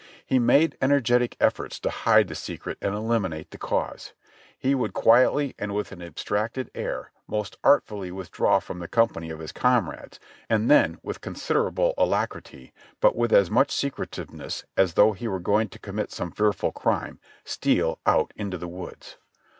He made energetic efforts to hide the secret and eliminate the cause ; he would quietly and with an abstracted air most artfully withdraw from the company of his comrades, and then wnth considerable alacrity, but with as much secretiveness as though he were going to commit some fearful crime, steal out into the woods.